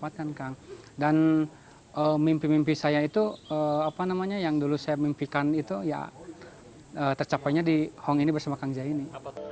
tercapainya di hong ini bersama kang zaini